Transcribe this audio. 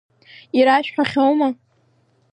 Ирашәҳәахьоума?